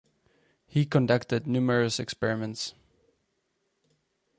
He conducted numerous experiments.